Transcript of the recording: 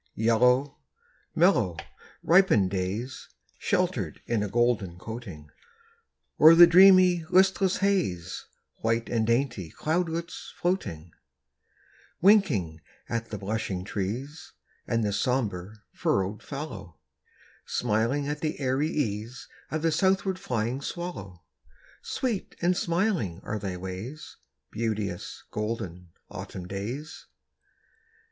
Yellow, mellow, ripened days, Sheltered in a golden coating; O'er the dreamy, listless haze, White and dainty cloudlets floating; Winking at the blushing trees, And the sombre, furrowed fallow; Smiling at the airy ease Of the southward flying swallow. Sweet and smiling are thy ways, Beauteous, golden, Autumn days!